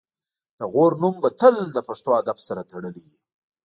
د غور نوم به تل د پښتو ادب سره تړلی وي